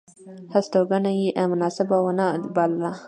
هستوګنه یې مناسبه ونه بلله.